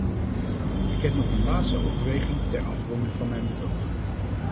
Ik heb nog een laatste overweging ter afronding van mijn betoog.